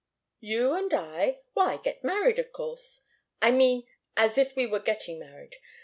"You and I? Why, get married, of course I mean as if we were getting married.